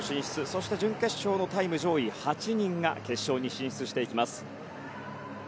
そして準決勝のタイム上位８人が決勝に進出していきます。